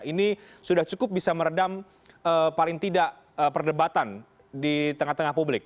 ini sudah cukup bisa meredam paling tidak perdebatan di tengah tengah publik